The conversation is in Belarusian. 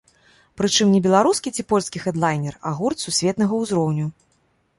Прычым, не беларускі ці польскі хэдлайнер, а гурт сусветнага ўзроўню.